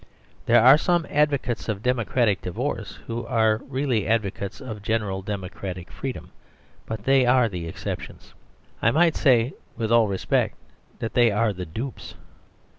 There are some advocates of democratic divorce who are really advocates of general democratic freedom; but they are the exceptions ; I might say, with all respect, that they are the dupes.